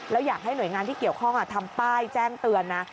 แล้วอยากให้หน่วยงานที่เกี่ยวข้องทำป้ายแจ้งเตือนนะ